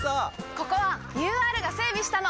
ここはＵＲが整備したの！